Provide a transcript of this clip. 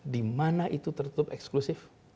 dimana itu tertutup eksklusif